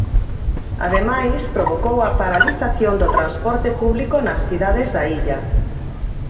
Ademais, provocou a paralización do transporte público nas cidades da illa.